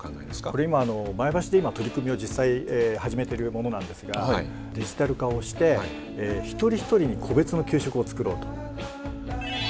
これ今あの前橋で今取り組みを実際始めてるものなんですがデジタル化をして一人一人に個別の給食を作ろうと。